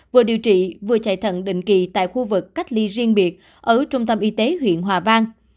vừa điều trị vừa chạy thận định kỳ tại khu vực cách ly riêng biệt ở trung tâm y tế huyện hòa vang